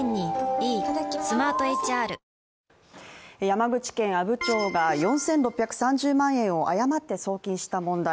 山口県阿武町が、４６３０万円を誤って送金した問題。